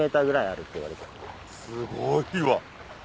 すごいわ。